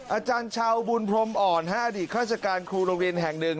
อาจารย์เช้าบุญพรมอ่อนอดีตราชการครูโรงเรียนแห่งหนึ่ง